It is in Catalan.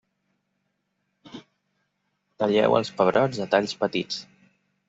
Talleu els pebrots a talls petits.